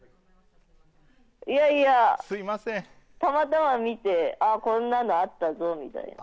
いやいや、たまたま見てあ、こんなのあったぞみたいな。